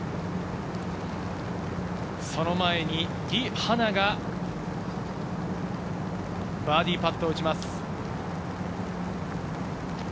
その前にリ・ハナがバーディーパットを打ちます。